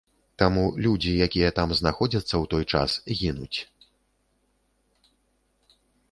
Таму людзі, якія там знаходзяцца ў той час, гінуць.